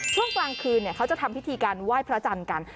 ช่วงกลางคืนเขาจะทำพิธีการไหว้พระจันทร์กัน